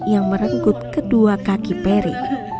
yang merenggut kedua kaki peri